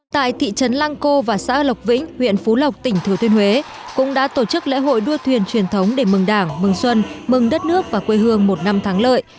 tại thị trấn lăng cô và xã lộc vĩnh huyện phú lộc tỉnh thừa thiên huế cũng đã tổ chức lễ hội đua thuyền truyền thống để mừng đảng mừng xuân mừng đất nước và quê hương một năm thắng lợi